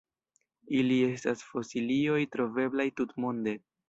Ili estas fosilioj troveblaj tutmonde.